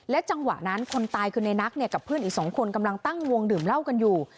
จังหวะนั้นคนตายคือในนักเนี่ยกับเพื่อนอีก๒คนกำลังตั้งวงดื่มเหล้ากันอยู่